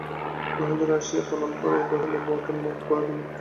মহেন্দ্র আসিয়া প্রণাম করিয়া কহিল, বৌঠান, মাপ করিয়ো।